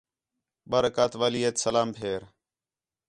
ݙُُِو رکعت والی ہیت سلام پھیر